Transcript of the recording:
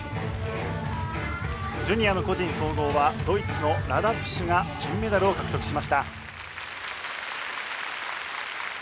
ジュニアの個人総合はドイツのラダ・プシュが金メダルを獲得しました。